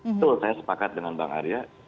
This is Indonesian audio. betul saya sepakat dengan bang arya